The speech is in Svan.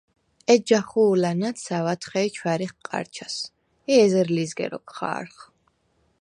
ეჯ ჯახუ̄ლა̈ ნა̈თსა̈ვ ათხე̄ჲ ჩვა̈რიხ ყა̈რჩას ი ეზერ ლიზგე როქვ ხა̄რხ.